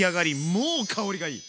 もう香りがいい！